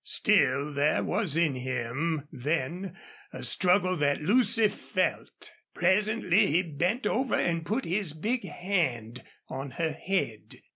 Still, there was in him then a struggle that Lucy felt. Presently he bent over and put his big hand on her head.